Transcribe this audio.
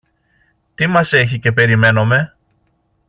Τι μας έχει και περιμένομε;